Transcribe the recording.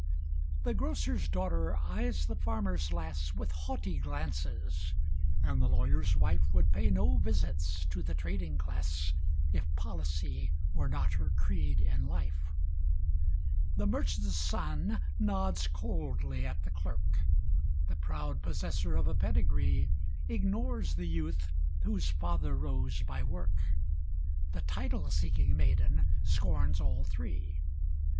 The grocer's daughter eyes the farmer's lass With haughty glances; and the lawyer's wife Would pay no visits to the trading class, If policy were not her creed in life. The merchant's son nods coldly at the clerk; The proud possessor of a pedigree Ignores the youth whose father rose by work; The title seeking maiden scorns all three.